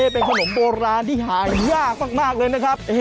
เป็นขนมโบราณที่หายากมากเลยนะครับ